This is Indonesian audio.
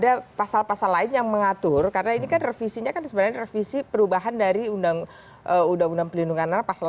ada pasal pasal lain yang mengatur karena ini kan revisinya kan sebenarnya revisi perubahan dari undang undang perlindungan anak pasal delapan ribu satu ratus delapan puluh dua